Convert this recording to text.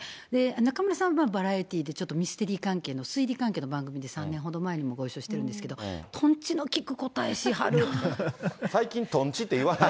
中村さんはバラエティ関係で、ミステリー関係の推理関係の番組で、３年ほど前にもご一緒してるんですけど、最近、とんちって言わない。